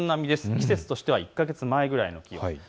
季節としては１か月前くらいの気温です。